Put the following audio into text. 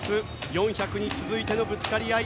４００に続いてのぶつかり合い。